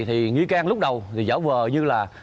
thì nghi can lúc đầu giả vờ như là